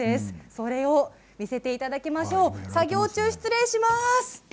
それを見せていただきましょう作業中、失礼します。